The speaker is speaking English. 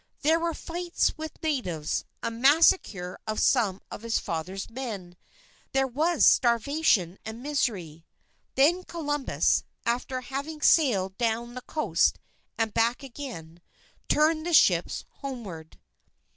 There were fights with natives, a massacre of some of his father's men, there was starvation and misery. Then Columbus, after having sailed down the coast and back again, turned the ships homeward.